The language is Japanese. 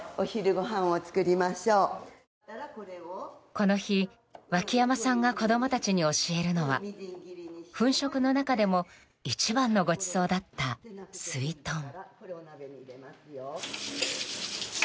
この日、脇山さんが子供たちに教えるのは粉食の中でも一番のごちそうだった、すいとん。